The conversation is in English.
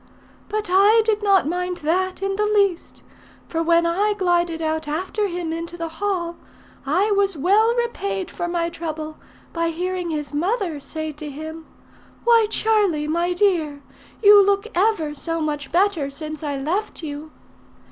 But I did not mind that in the least; for when I glided out after him into the hall, I was well repaid for my trouble by hearing his mother say to him, 'Why, Charlie, my dear, you look ever so much better since I left you!'